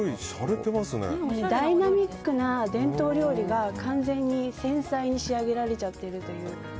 ダイナミックな伝統料理が完全に繊細に仕上げられちゃっているという。